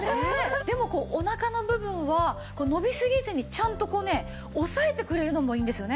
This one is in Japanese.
でもお腹の部分は伸びすぎずにちゃんとこうね押さえてくれるのもいいんですよね。